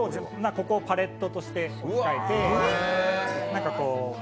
ここをパレットとして描いて。